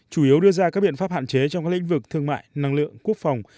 chủ yếu đưa ra các biện pháp hạn chế trong các lĩnh vực thương mại năng lượng quốc phòng